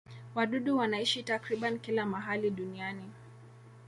Wadudu wanaishi takriban kila mahali duniani.